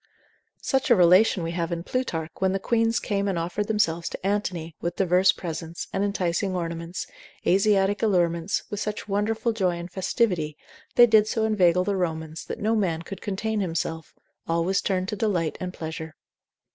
Such a relation we have in Plutarch, when the queens came and offered themselves to Antony, with diverse presents, and enticing ornaments, Asiatic allurements, with such wonderful joy and festivity, they did so inveigle the Romans, that no man could contain himself, all was turned to delight and pleasure.